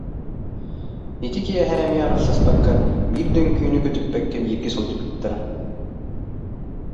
Ити киэһэ эмиэ арахсыспакка, биир да үҥкүүнү көтүппэккэ бииргэ сылдьыбыттара